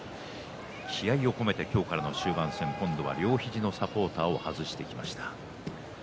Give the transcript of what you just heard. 気合いを込めて今日からの終盤戦両肘のサポーターを今度は外してきました。